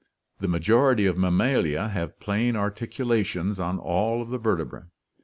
The majority of Mammalia have plane articulations on all of the verte brae.